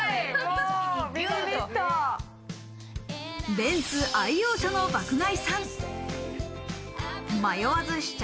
ベンツ愛用者の爆買いさん、迷わず試着。